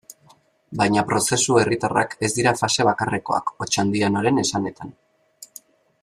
Baina prozesu herritarrak ez dira fase bakarrekoak, Otxandianoren esanetan.